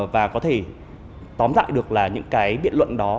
và có thể tóm lại được là những cái biện luận đó